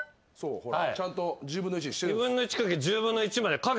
ちゃんと１０分の１にしてる。